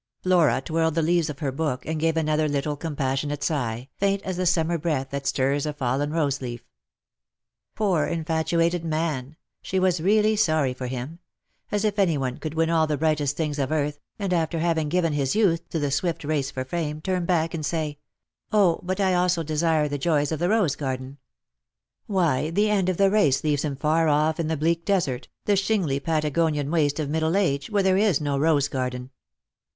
Flora twirled the leaves of her book, and gave another little compassionate sigh, faint as the summer breath that stirs a fallen rose leaf. Poor infatuated man ! She was really sorry for him. As if any one could win all the brightest things of earth, and, after having given his youth to the swift race for fame, turn back and say, " 0, but I also desire the joys of the rose garden !" Why, the end of the race leaves him far off in the bleak desert, the shingly Patagonian waste of middle age, where there is no rose garden.